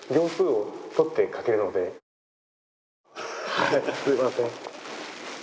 はいすみません。